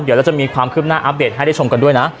เดี๋ยวเราจะมีความคืบหน้าอัปเดตให้ได้ชมกันด้วยนะ